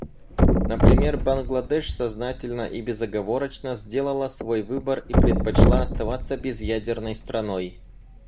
Например, Бангладеш сознательно и безоговорочно сделала свой выбор и предпочла оставаться безъядерной страной.